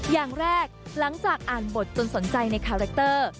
อย่างแรกหลังจากอ่านบทจนสนใจในคาแรคเตอร์